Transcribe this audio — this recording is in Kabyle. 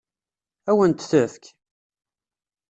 Ad wen-t-tefk?